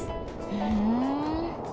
ふん。